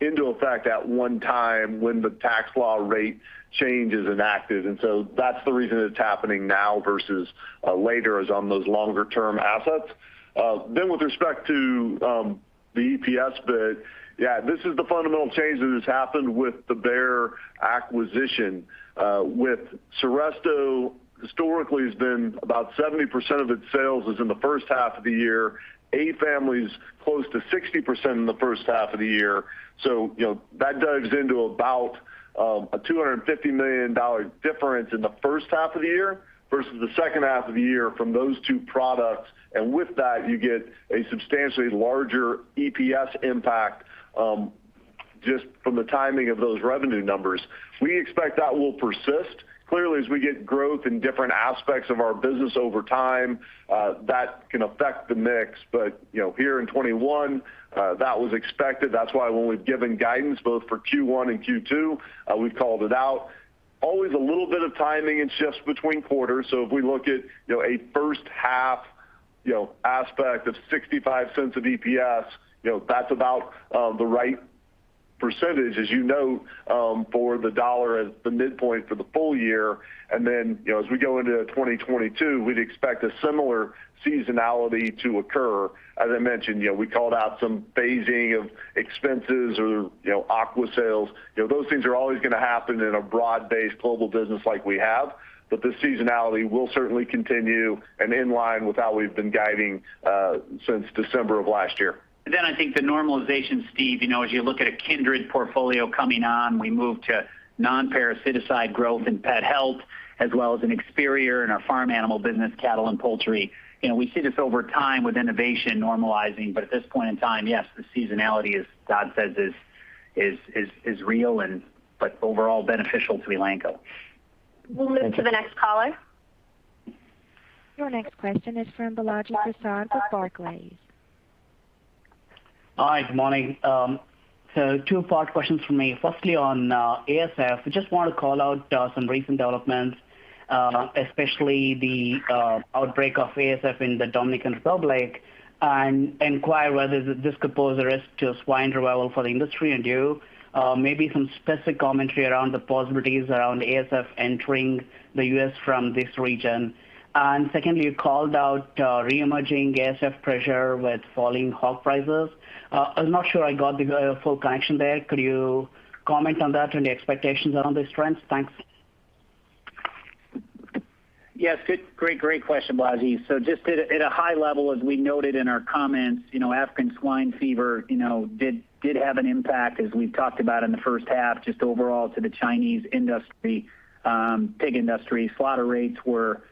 into effect at one time when the tax law rate change is enacted. That's the reason it's happening now versus later is on those longer-term assets. With respect to the EPS bit, yeah, this is the fundamental change that has happened with the Bayer acquisition. With Seresto, historically it's been about 70% of its sales is in the first half of the year. Advantage Family's close to 60% in the first half of the year. That dovetails into about a $250 million difference in the first half of the year versus the second half of the year from those two products. With that, you get a substantially larger EPS impact, just from the timing of those revenue numbers. We expect that will persist. Clearly, as we get growth in different aspects of our business over time, that can affect the mix. Here in 2021, that was expected. That's why when we've given guidance both for Q1 and Q2, we've called it out. Always a little bit of timing and shifts between quarters. If we look at a first half aspect of $0.65 of EPS, that's about the right percentage as you know, for the dollar at the midpoint for the full year. As we go into 2022, we'd expect a similar seasonality to occur. As I mentioned, we called out some phasing of expenses or aqua sales. Those things are always going to happen in a broad-based global business like we have. The seasonality will certainly continue and in line with how we've been guiding since December of last year. Then I think the normalization, Steve, as you look at a Kindred portfolio coming on, we move to non-parasiticide growth in pet health, as well as in Experior and our farm animal business, cattle and poultry. We see this over time with innovation normalizing. At this point in time, yes, the seasonality, as Todd says, is real but overall beneficial to Elanco. We'll move to the next caller. Your next question is from Balaji Prasad with Barclays. Hi, good morning. Two-part questions from me. Firstly, on ASF, I just want to call out some recent developments, especially the outbreak of ASF in the Dominican Republic, and inquire whether this could pose a risk to swine revival for the industry and you. Maybe some specific commentary around the possibilities around ASF entering the U.S. from this region. Secondly, you called out reemerging ASF pressure with falling hog prices. I'm not sure I got the full connection there. Could you comment on that and the expectations around these trends? Thanks. Yes. Great question, Balaji Prasad. Just at a high level, as we noted in our comments, African swine fever did have an impact, as we've talked about in the first half, just overall to the Chinese pig industry. Slaughter rates were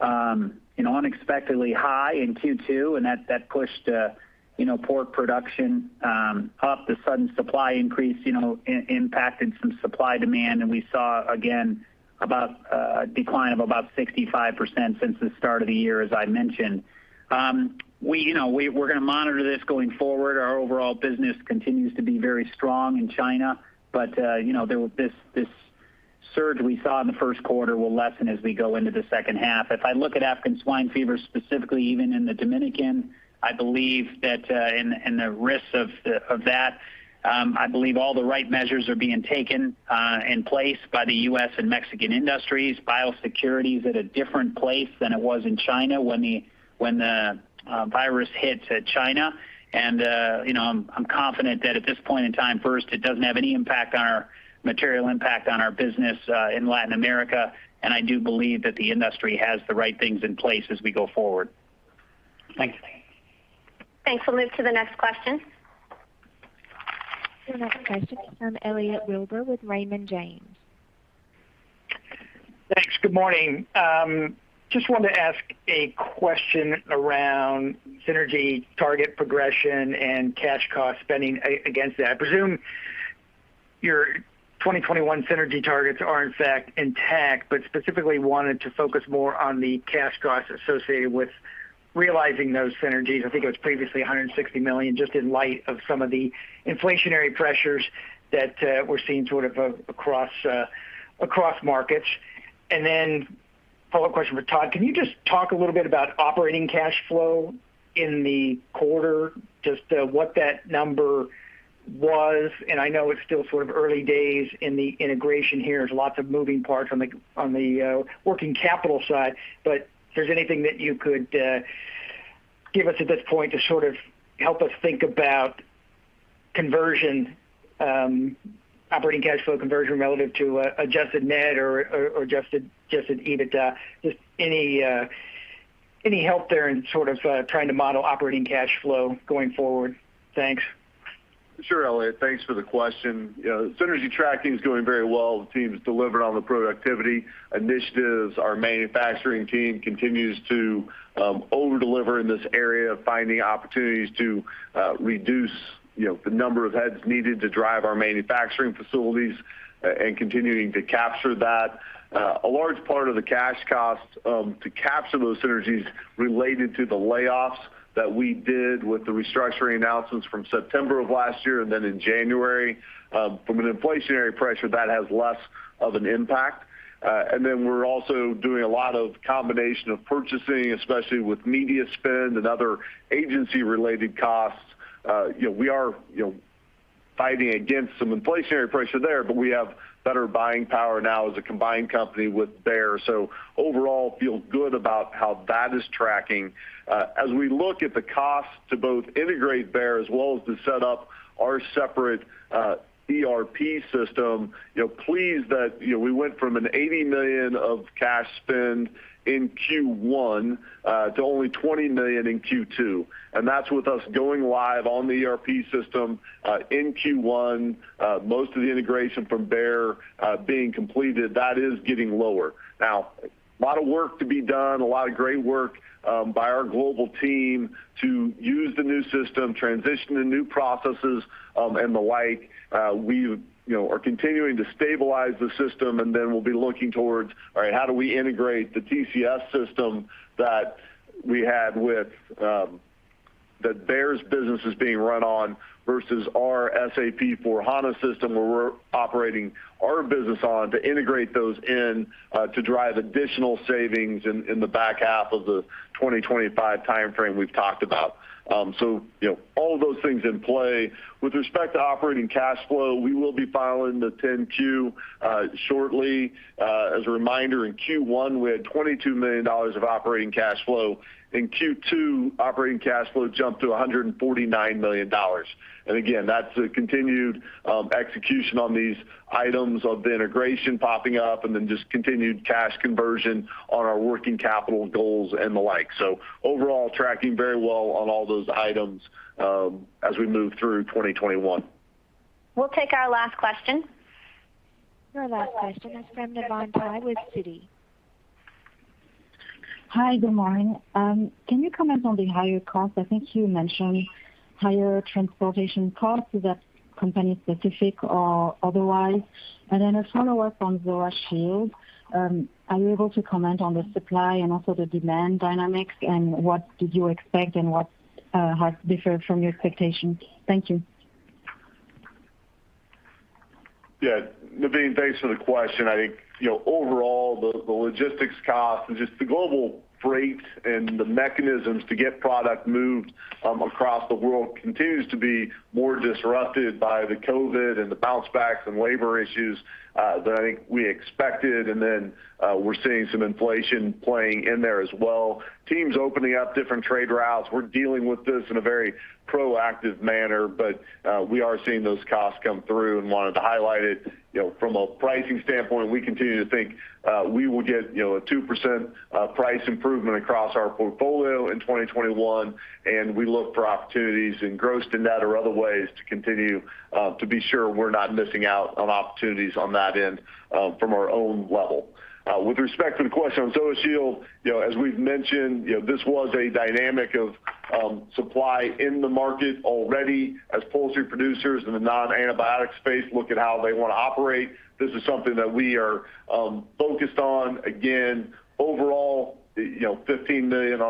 unexpectedly high in Q2, and that pushed pork production up. The sudden supply increase impacted some supply-demand, and we saw, again, a decline of about 65% since the start of the year, as I mentioned. We're going to monitor this going forward. Our overall business continues to be very strong in China, but this surge we saw in the first quarter will lessen as we go into the second half. If I look at African swine fever specifically, even in the Dominican, and the risks of that, I believe all the right measures are being taken in place by the U.S. and Mexican industries. Biosecurity is at a different place than it was in China when the virus hit China. I'm confident that at this point in time, first, it doesn't have any material impact on our business in Latin America, and I do believe that the industry has the right things in place as we go forward. Thanks. Thanks. We'll move to the next question. Your next question is from Elliot Wilbur with Raymond James. Thanks. Good morning. Wanted to ask a question around synergy target progression and cash cost spending against that. I presume your 2021 synergy targets are in fact intact. Specifically wanted to focus more on the cash costs associated with realizing those synergies, I think it was previously $160 million, just in light of some of the inflationary pressures that we're seeing sort of across markets. A follow-up question for Todd. Can you just talk a little bit about operating cash flow in the quarter, just what that number was? I know it's still early days in the integration here. There's lots of moving parts on the working capital side. If there's anything that you could give us at this point to sort of help us think about operating cash flow conversion relative to adjusted net or adjusted EBITDA. Any help there in trying to model operating cash flow going forward? Thanks. Sure, Elliot. Thanks for the question. Synergy tracking is doing very well. The team's delivered on the productivity initiatives. Our manufacturing team continues to over-deliver in this area of finding opportunities to reduce the number of heads needed to drive our manufacturing facilities and continuing to capture that. A large part of the cash cost to capture those synergies related to the layoffs that we did with the restructuring announcements from September of last year, and then in January. From an inflationary pressure, that has less of an impact. We're also doing a lot of combination of purchasing, especially with media spend and other agency-related costs. We are fighting against some inflationary pressure there, but we have better buying power now as a combined company with Bayer. Overall, feel good about how that is tracking. As we look at the cost to both integrate Bayer as well as to set up our separate ERP system, pleased that we went from an $80 million of cash spend in Q1 to only $20 million in Q2, and that's with us going live on the ERP system in Q1, most of the integration from Bayer being completed. That is getting lower. Now, a lot of work to be done, a lot of great work by our global team to use the new system, transition to new processes and the like. We are continuing to stabilize the system. We'll be looking towards, all right, how do we integrate the TCS system that Bayer's business is being run on versus our SAP S/4HANA system where we're operating our business on to integrate those in to drive additional savings in the back half of the 2025 timeframe we've talked about. All those things in play. With respect to operating cash flow, we will be filing the 10-Q shortly. As a reminder, in Q1, we had $22 million of operating cash flow. In Q2, operating cash flow jumped to $149 million. Again, that's the continued execution on these items of the integration popping up and then just continued cash conversion on our working capital goals and the like. Overall, tracking very well on all those items as we move through 2021. We'll take our last question. Your last question is from Navann Ty with Citi. Hi. Good morning. Can you comment on the higher cost? I think you mentioned higher transportation costs. Is that company specific or otherwise? A follow-up on ZoaShield. Are you able to comment on the supply and also the demand dynamics, and what did you expect and what has differed from your expectations? Thank you. Yeah. Navann, thanks for the question. I think, overall, the logistics cost and just the global freight and the mechanisms to get product moved across the world continues to be more disrupted by the COVID and the bounce backs and labor issues than I think we expected. We're seeing some inflation playing in there as well. Teams opening up different trade routes. We're dealing with this in a very proactive manner, we are seeing those costs come through and wanted to highlight it. From a pricing standpoint, we continue to think we will get a 2% price improvement across our portfolio in 2021, we look for opportunities in gross debt or other ways to continue to be sure we're not missing out on opportunities on that end from our own level. With respect to the question on ZoaShield, as we've mentioned, this was a dynamic of supply in the market already as poultry producers in the non-antibiotic space look at how they want to operate. This is something that we are focused on. Overall, $15 million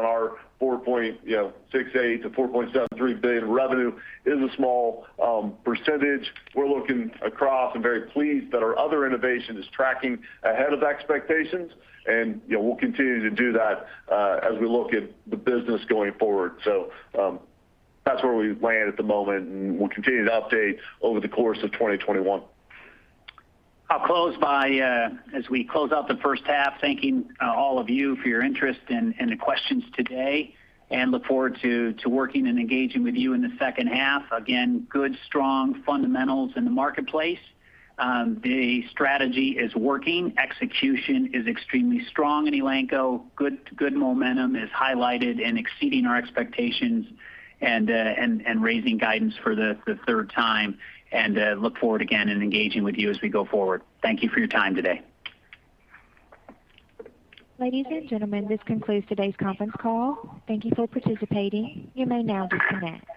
on our $4.68 billion-$4.73 billion revenue is a small percentage. We're looking across and very pleased that our other innovation is tracking ahead of expectations, and we'll continue to do that as we look at the business going forward. That's where we land at the moment, and we'll continue to update over the course of 2021. I'll close by, as we close out the first half, thanking all of you for your interest and the questions today, and look forward to working and engaging with you in the second half. Good, strong fundamentals in the marketplace. The strategy is working. Execution is extremely strong in Elanco. Good momentum is highlighted and exceeding our expectations and raising guidance for the third time. Look forward again in engaging with you as we go forward. Thank you for your time today. Ladies and gentlemen, this concludes today's conference call. Thank you for participating. You may now disconnect.